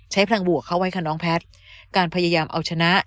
พลังบวกเข้าไว้ค่ะน้องแพทย์การพยายามเอาชนะ